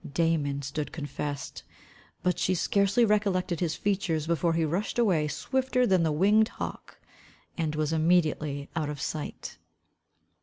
Damon stood confessed. But she scarcely recollected his features before he rushed away swifter than the winged hawk, and was immediately out of sight.